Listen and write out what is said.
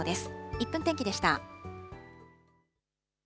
１分天気でした。